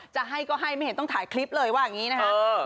จะให้ก็ให้ไม่เห็นต้องถ่ายคลิปเลยว่าอย่างนี้นะคะ